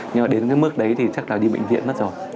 nhưng mà đến cái mức đấy thì chắc là đi bệnh viện mất rồi